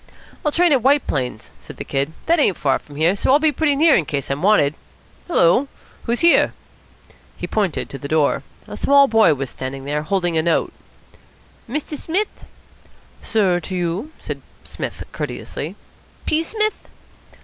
"I'll train at White Plains," said the Kid. "That ain't far from here, so I'll be pretty near in case I'm wanted. Hullo, who's here?" He pointed to the door. A small boy was standing there, holding a note. "Mr. Smith?" "Sir to you," said Psmith courteously. "P. Smith?"